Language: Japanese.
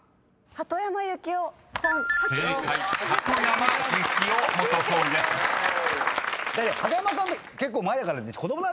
鳩山さんって結構前だからね。